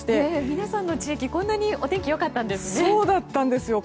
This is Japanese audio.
皆さんの地域、こんなにお天気良かったんですね。